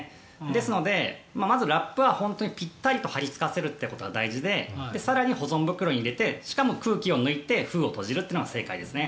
ですので、まずラップは本当にぴったりと張りつかせるのが大事で更に保存袋に入れてしかも空気を抜いて封を閉じるのが正解ですね。